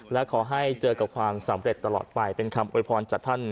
และขอให้เจอกับความสำเร็จตลอดไปเป็นคำโวยพรจากท่าน